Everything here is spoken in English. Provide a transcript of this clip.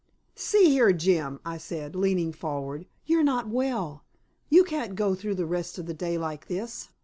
"See here, Jim," I said, leaning forward, "you're not well. You can't go through the rest of the day like this.